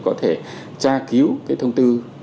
có thể tra cứu cái thông tư